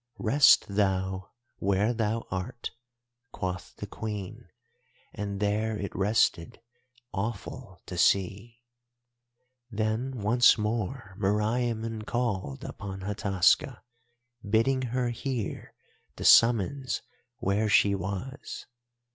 "'Rest thou where thou art,' quoth the Queen, and there it rested, awful to see. "Then once more Meriamun called upon Hataska, bidding her hear the summons where she was.